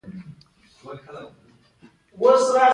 د اقتصاد وزارت پرمختیايي پلانونه جوړوي